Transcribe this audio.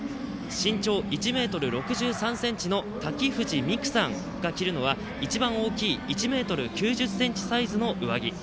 身長１ｍ６３ｃｍのたきふじみくさんが着るのは一番大きい１ｍ９０ｃｍサイズの上着。